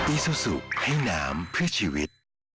อซูซูให้น้ำเพื่อชีวิต